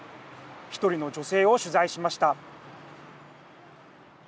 １人の女性を取材しました。